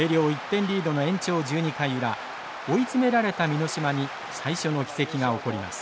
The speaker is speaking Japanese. １点リードの延長１２回裏追い詰められた箕島に最初の奇跡が起こります。